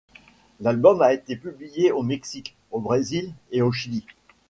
L'album a été publié au Mexique, au Brésil et au Chili.